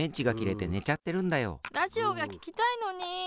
ラジオがききたいのに。